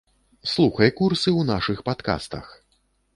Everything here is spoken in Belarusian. Слухай курсы ў нашых падкастах.